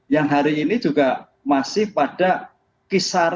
yang hari ini juga masih pada kisaran